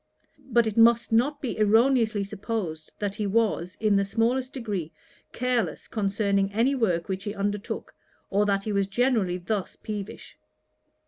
But it must not be erroneously supposed that he was, in the smallest degree, careless concerning any work which he undertook, or that he was generally thus peevish.